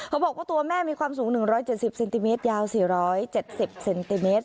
เขาบอกว่าตัวแม่มีความสูงหนึ่งร้อยเจ็ดสิบเซนติเมตรยาวสี่ร้อยเจ็ดสิบเซนติเมตร